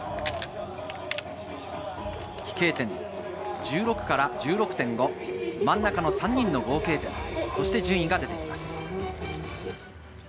飛型点１６から１６．５、真ん中の３人の合計点、そして順位が出てきます。